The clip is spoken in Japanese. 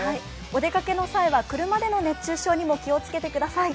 お出かけの際は、車での熱中症も気をつけてください。